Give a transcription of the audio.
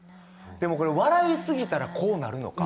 でも笑い過ぎたらこうなるのか？